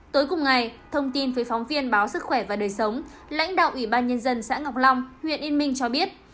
tối cùng ngày thông tin với phóng viên báo sức khỏe và đời sống lãnh đạo ủy ban nhân dân xã ngọc long huyện yên minh cho biết